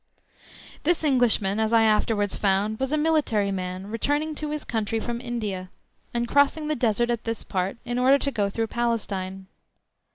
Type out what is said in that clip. This Englishman, as I afterwards found, was a military man returning to his country from India, and crossing the Desert at this part in order to go through Palestine.